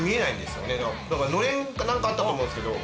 のれんか何かあったと思うんですけど。